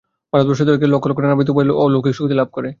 ভারতবর্ষে লক্ষ লক্ষ লোক নানাবিধ উপায়ে অলৌকিক শক্তি লাভ করে।